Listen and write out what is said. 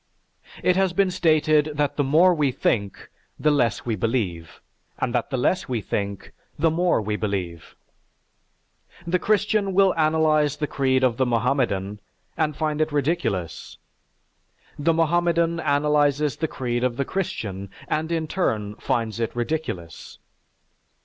It has been stated that the more we think, the less we believe; and that the less we think, the more we believe. The Christian will analyze the creed of the Mohammedan and find it ridiculous; the Mohammedan analyzes the creed of the Christian and in turn finds it ridiculous.